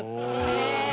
え！